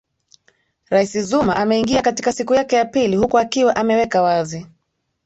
rais zuma ameingia katika siku yake ya pili huku akiwa ameweka wazi